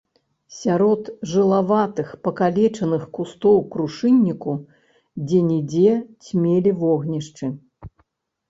Сярод жылаватых пакалечаных кустоў крушынніку дзе-нідзе цьмелі вогнішчы.